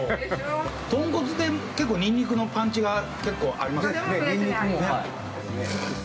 豚骨で、ニンニクのパンチが結構ありますね。